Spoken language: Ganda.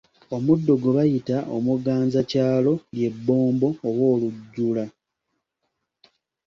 Omuddo gwe bayita omuganzakyalo lye Bbombo oba Olujjula.